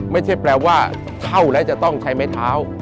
ไม่ใช่แปลว่าเข้าแล้วจะต้องใช้ไม้เท้า